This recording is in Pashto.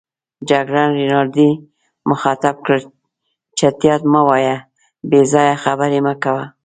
جګړن رینالډي مخاطب کړ: چټیات مه وایه، بې ځایه خبرې مه کوه.